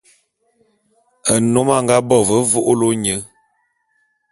Nnôm a nga bo ve vô'ôlô nye.